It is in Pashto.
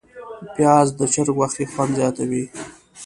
پیاز د چرګ غوښې خوند زیاتوي